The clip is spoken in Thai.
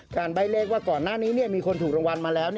ใบ้เลขว่าก่อนหน้านี้มีคนถูกรางวัลมาแล้ว